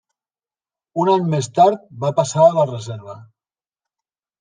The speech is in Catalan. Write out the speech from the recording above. Un any més tard va passar a la reserva.